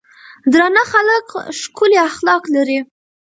درانۀ خلک ښکلي اخلاق لري.